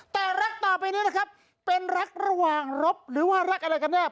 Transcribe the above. แต่รักต่อไปนี้นะครับเป็นรักระหว่างรบหรือว่ารักอะไรกันแน่